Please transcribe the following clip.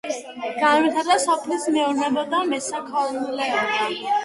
განვითარებულია სოფლის მეურნეობა და მესაქონლეობა.